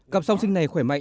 cặp song sinh này khỏe mạnh